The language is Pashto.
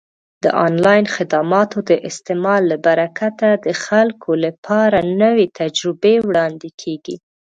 د آنلاین خدماتو د استعمال له برکته د خلکو لپاره نوې تجربې وړاندې کیږي.